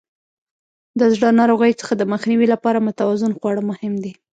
د زړه ناروغیو څخه د مخنیوي لپاره متوازن خواړه مهم دي.